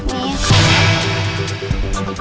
นี่ค่ะ